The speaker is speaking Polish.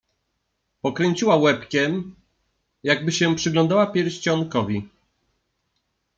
Pokręciła łebkiem, jakby się przyglądała pierścionkowi.